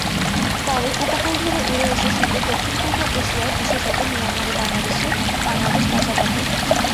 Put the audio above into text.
পরে উপকূল ধরে উড়ে এসে শীতে দক্ষিণ-পূর্ব এশিয়ায় বিশেষত মিয়ানমার ও বাংলাদেশ বাসা বাঁধে।